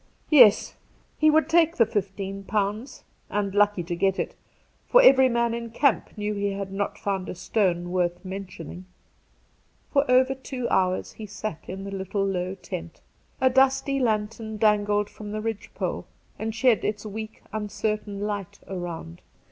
Yes, he would take the £15, and Two Christmas Days 191 lucky to get it, for every man in camp knew lie had not found a stone worth mentioning. . For over two hours he sat in the little low tent ; a dusty lantern dangled from the ridge pole and shed its weak, uncertain light around.